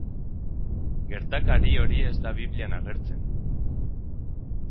Gertakari hori ez da Biblian agertzen.